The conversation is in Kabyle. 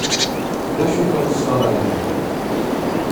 D acu-t uxeṣṣar-agi?